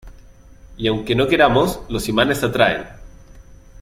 y aunque no queramos, los imanes se atraen.